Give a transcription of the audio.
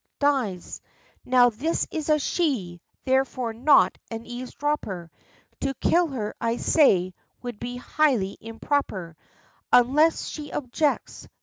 dies!" Now this is a she therefore not an eavesdropper; To kill her, I say, would be highly improper Unless she objects.